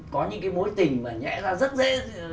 có những cái mối tình mà nhẹ ra rất dễ